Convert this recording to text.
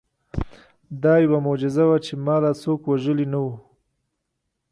دا یوه معجزه وه چې ما لا څوک وژلي نه وو